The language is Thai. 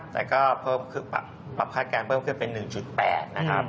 แต่ก็ปรับคาดการณ์เพิ่มขึ้นเป็น๑๘นะครับ